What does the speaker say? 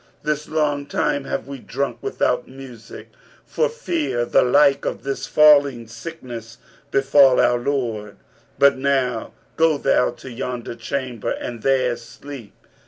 This long time have we drunk without music, for fear the like of this falling sickness befal our lord. But now go thou to yonder chamber and there sleep.'